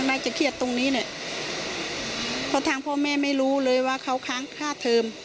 น่าจะเครียดตรงนี้แหละเพราะทางพ่อแม่ไม่รู้เลยว่าเขาค้างค่าเทิม